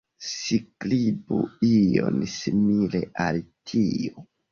Skribu ion simile al tio